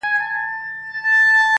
چي در رسېږم نه، نو څه وکړم ه ياره.